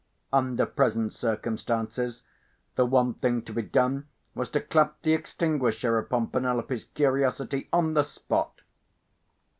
Under present circumstances, the one thing to be done was to clap the extinguisher upon Penelope's curiosity on the spot.